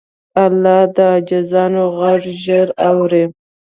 الله د عاجزانو غږ ژر اوري.